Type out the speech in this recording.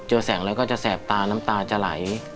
แสงแล้วก็จะแสบตาน้ำตาจะไหล